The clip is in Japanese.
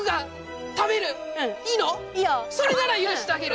それなら許してあげる。